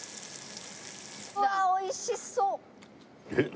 うわっおいしそう！